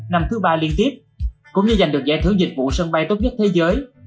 năm thứ ba liên tiếp cũng như giành được giải thưởng dịch vụ sân bay tốt nhất thế giới